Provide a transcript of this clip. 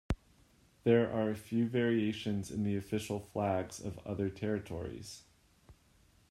There are a few variations in the official flags of other territories.